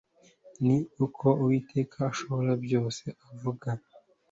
ni ko uwiteka ushoborabyose avuga